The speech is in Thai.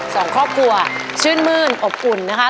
สองครอบครัวชื่นมื้นอบอุ่นนะคะ